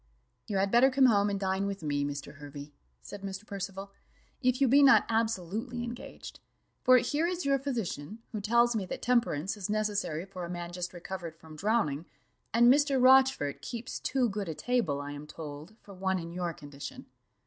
"You had better come home and dine with me, Mr. Hervey," said Mr. Percival, "if you be not absolutely engaged; for here is your physician, who tells me that temperance is necessary for a man just recovered from drowning, and Mr. Rochfort keeps too good a table, I am told, for one in your condition."